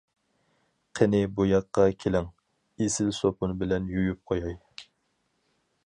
قېنى بۇ ياققا كېلىڭ، ئېسىل سوپۇن بىلەن يۇيۇپ قوياي.